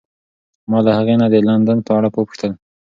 ما له هغې نه د لندن په اړه وپوښتل.